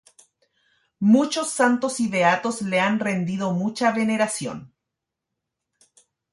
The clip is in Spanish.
Muchos santos y beatos le han rendido mucha veneración.